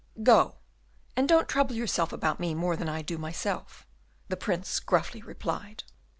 "Go, and don't you trouble yourself about me more than I do myself," the Prince gruffly replied.